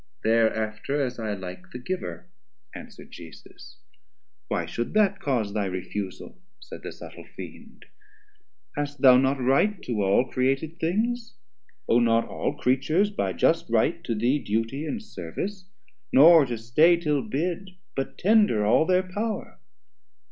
Thereafter as I like The giver, answer'd Jesus. Why should that Cause thy refusal, said the subtle Fiend, Hast thou not right to all Created things, Owe not all Creatures by just right to thee Duty and Service, nor to stay till bid, But tender all their power?